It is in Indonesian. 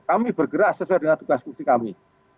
kami bergerak sesuai dengan tugas kursi kami